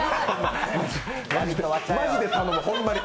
マジで頼む、ほんまに。